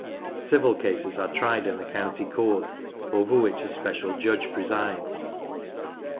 Civil cases are tried in the County Court, over which a special judge presides.